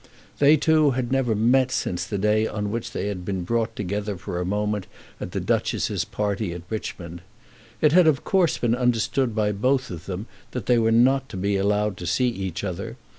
They two had never met since the day on which they had been brought together for a moment at the Duchess's party at Richmond. It had of course been understood by both of them that they were not to be allowed to see each other.